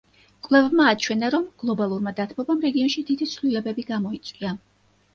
კვლევებმა აჩვენა, რომ გლობალურმა დათბობამ რეგიონში დიდი ცვლილებები გამოიწვია.